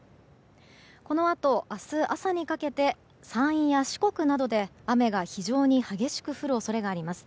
このあと、明日朝にかけて山陰や四国などで雨が非常に激しく降る恐れがあります。